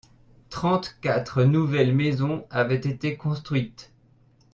trente quatre nouvelles maisons avaient été construites.